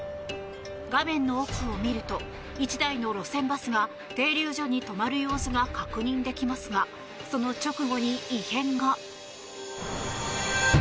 画面の奥を見ると１台の路線バスが停留所に止まる様子が確認できますがその直後に異変が。